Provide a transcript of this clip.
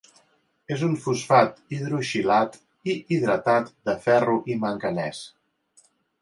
És un fosfat hidroxilat i hidratat de ferro i Manganès.